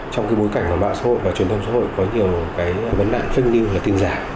trong mối cảnh báo xã hội và truyền thông xã hội có nhiều vấn đạn phinh như tin giả